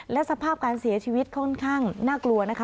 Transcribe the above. และสภาพการเสียชีวิตค่อนข้างน่ากลัวนะคะ